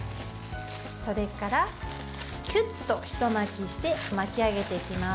それから、キュッとひと巻きして巻き上げていきます。